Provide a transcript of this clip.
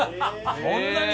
そんなに！？